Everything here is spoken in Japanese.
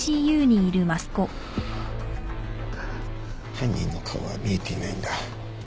犯人の顔は見えていないんだ。